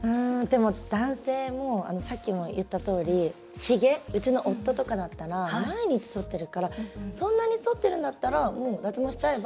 男性もさっきも言ったとおり、ひげうちの夫とかだったら毎日そってるからそんなに、そってるんだったらもう脱毛しちゃえば？